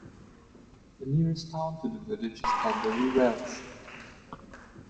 The nearest town to the village is Tenbury Wells.